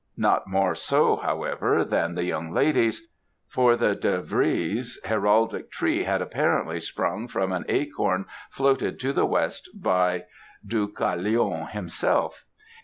Not more so, however, than the young lady's; for the de Givry's heraldic tree had apparently sprung from an acorn floated to the west by Deucalion himself.